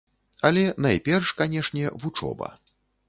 Але найперш, канешне, вучоба.